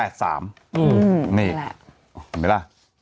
เห็นไหมล่ะ